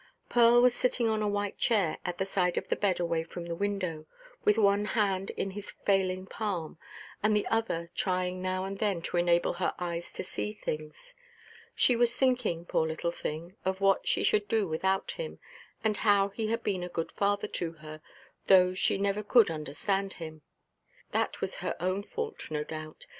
Pearl was sitting on a white chair at the side of the bed away from the window, with one hand in his failing palm, and the other trying now and then to enable her eyes to see things. She was thinking, poor little thing, of what she should do without him, and how he had been a good father to her, though she never could understand him. That was her own fault, no doubt.